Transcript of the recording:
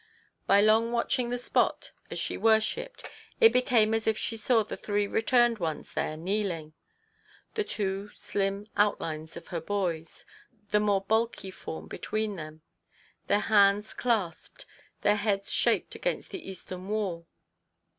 By long watching the spot as she worshipped, it became as if she saw the three returned ones there kneeling; the two slirn outlines of her boys, the more bulky form between them ; their hands clasped, their heads shaped against the eastern wall.